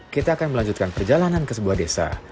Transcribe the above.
kita akan melanjutkan perjalanan ke sebuah desa